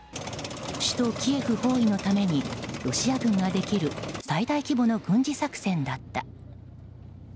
首都キエフ包囲のためにロシア軍ができる最大規模の軍事作戦だった。